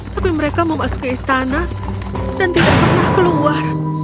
tapi mereka mau masuk ke istana dan tidak pernah keluar